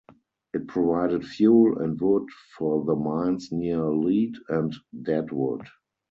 It provided fuel and wood for the mines near Lead and Deadwood.